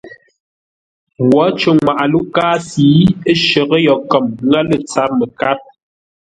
Wǒ cər ŋwaʼa Lúʼkáasʉ ə́ shərə́ yo kəm nŋə́ lə̂ tsâr məkár.